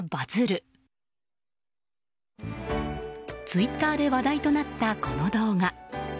ツイッターで話題となったこの動画。